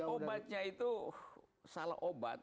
obatnya itu salah obat